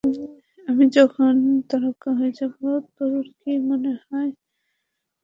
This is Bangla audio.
আমি যখন তারকা হয়ে যাব, তোর কি মনে হয় আমি এডওয়ার্ড পাব?